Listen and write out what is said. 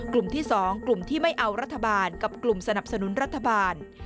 กลุ่มที่๒กลุ่มที่ไม่เอารัฐบาลกับกลุ่มสนับสนุนรัฐบาล